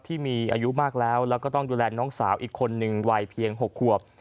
ที่มีอายุมากแล้วแล้วก็ต้องดูแลน้องสาวอีกคนนึงวัยเพียง๖ขวบ